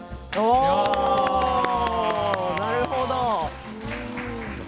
なるほど。